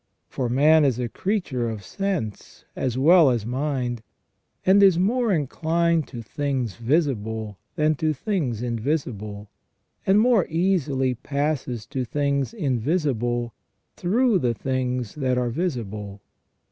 For man is a creature of sense as well as mind, and is more inclined to things visible than to things invisible, and more easily passes to things invisible through the things that are visible.